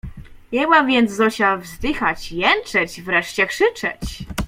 Jęła więc Zosia wzdychać, jęczeć, wreszcie krzyczeć.